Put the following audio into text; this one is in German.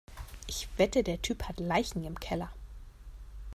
Ich wette, der Typ hat Leichen im Keller.